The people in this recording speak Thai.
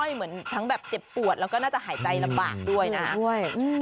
เหมือนทั้งแบบเจ็บปวดแล้วก็น่าจะหายใจลำบากด้วยนะคะ